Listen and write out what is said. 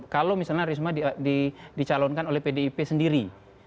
kalau misalnya risma dicalonkan oleh pdip sendiri